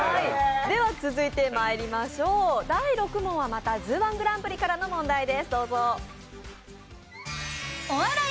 続いてまいりましょう、第６問はまた「ＺＯＯ−１グランプリ」からの問題です。